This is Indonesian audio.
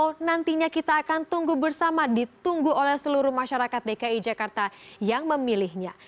oh nantinya kita akan tunggu bersama ditunggu oleh seluruh masyarakat dki jakarta yang memilihnya